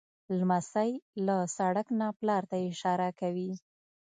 لمسی له سړک نه پلار ته اشاره کوي.